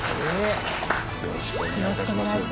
よろしくお願いします。